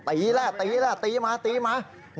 ทีคอยตีมา